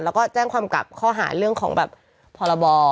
แล้วก็แจ้งความกลับข้อหารเรื่องของแบบพรบรอะไรต่าง